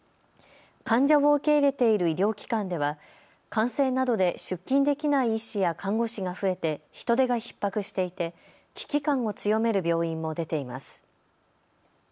患者を受け入れている医療機関では感染などで出勤できない医師や看護師が増えて人手がひっ迫していて危機感を強める病院も出ています。